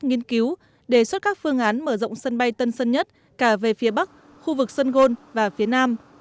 nghiên cứu đề xuất các phương án mở rộng sân bay tân sơn nhất cả về phía bắc khu vực sân gôn và phía nam